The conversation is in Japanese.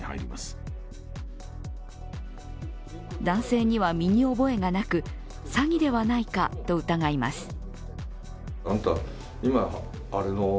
男性には身に覚えがなく詐欺ではないかと疑います。